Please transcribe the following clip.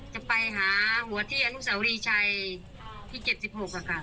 จะไปหาหัวเที่ยงทุกศาลีชัยที่๗๖ครับ